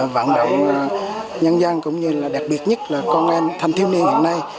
vận động nhân dân cũng như là đặc biệt nhất là con em thanh thiếu niên hiện nay